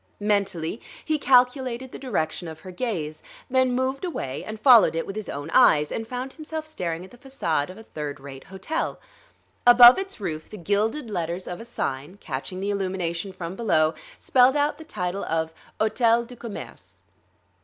Mentally he calculated the direction of her gaze, then, moved away and followed it with his own eyes; and found himself staring at the façade of a third rate hotel. Above its roof the gilded letters of a sign, catching the illumination from below, spelled out the title of "Hôtel du Commerce."